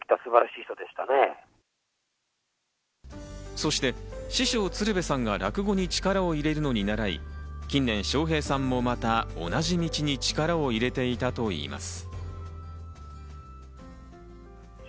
そして、師匠・鶴瓶さんが落語に力を入れるのにならい、近年、笑瓶さんもまた同じ道に力を入れていたといいます。